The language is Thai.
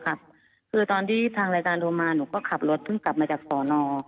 คือตอนที่ทางรายการโทรมาหนูก็ขับรถเพิ่งกลับมาจากสอนอ